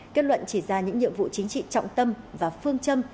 kết luận chỉ ra những nhiệm vụ chính trị trọng tâm và phương châm